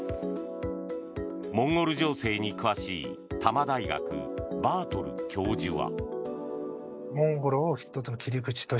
モンゴル情勢に詳しい多摩大学、バートル教授は。